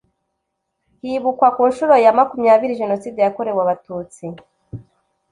hibukwa ku nshuro ya makunyabiri Jenoside yakorewe Abatutsi